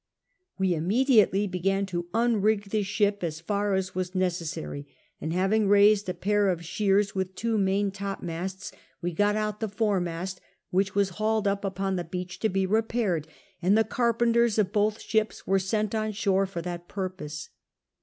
We immediately began to mi rig the ship as far as was necessary, and having raised a pair of shears with two main topmast^ we got out the foremast, which was hauled up upon the beach to be repaired, and the carpenters of both ships were sent on shore for that pnriiose.